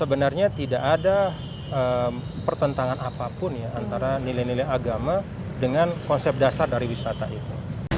sebenarnya tidak ada pertentangan apapun ya antara nilai nilai agama dengan konsep dasar dari wisata itu